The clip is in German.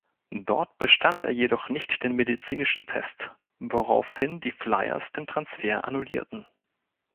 Dort bestand er jedoch nicht den medizinischen Test, woraufhin die Flyers den Transfer annullierten.